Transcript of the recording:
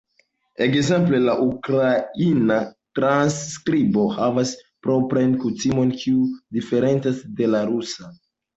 Ekzemple la ukraina transskribo havas proprajn kutimojn, kiuj diferencas de la rusa.